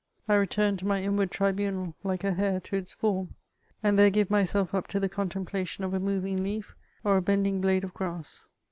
I return to my inward tribunal, like a hare to its form ; and there give myself i:^ to the contemplation of a nooving leaf or a bending blade of grass.